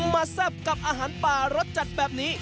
แซ่บกับอาหารป่ารสจัดแบบนี้